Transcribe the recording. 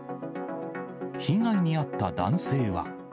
被害に遭った男性は。